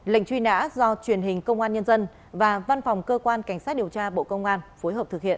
lệnh truy nã do truyền hình công an nhân dân và văn phòng cơ quan cảnh sát điều tra bộ công an phối hợp thực hiện